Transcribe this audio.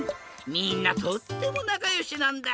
みんなとってもなかよしなんだ。